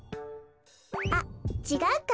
あっちがうか。